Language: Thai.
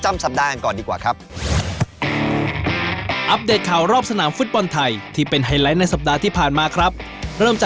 มารับใช้ทีมชาติไทย